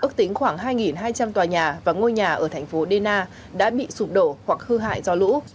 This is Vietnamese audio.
ước tính khoảng hai hai trăm linh tòa nhà và ngôi nhà ở thành phố dena đã bị sụp đổ hoặc hư hại do lũ